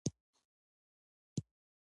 د خپلواکۍ د جګړې په اړه یو مطلب ولیکئ.